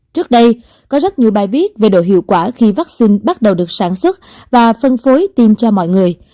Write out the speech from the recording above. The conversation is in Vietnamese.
trước đây có rất nhiều bài viết về độ hiệu quả khi vaccine bắt đầu được sản xuất và phân phối tiêm cho mọi người